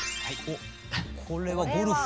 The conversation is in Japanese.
これはゴルフ？